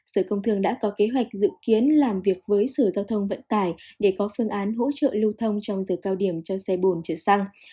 sở công thương đã có kế hoạch dự kiến làm việc với sở giao thông vận tải để có phương án hỗ trợ lưu thông trong giờ cao điểm cho xe bồn chở xăng